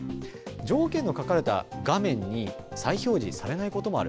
条件の書かれた画面に再表示されないこともある。